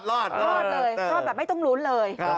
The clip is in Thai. ครอบแบบไม่ต้องลุ้นเลย